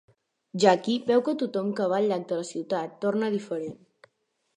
Jackie veu que tothom que va al llac de la ciutat torna diferent.